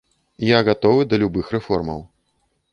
Я гатовы да любых рэформаў.